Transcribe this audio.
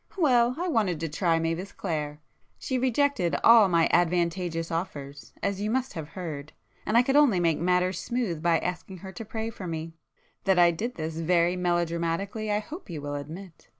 Well, I wanted to try Mavis Clare. She rejected all my advantageous offers, as you must have heard, and I could only make matters smooth by asking her to pray for me. That I did this very melodramatically I hope you will admit?